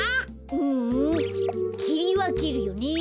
ううんきりわけるよね。